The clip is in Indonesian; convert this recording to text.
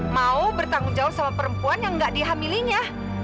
mau bertanggung jawab sama perempuan yang gak dihamilinya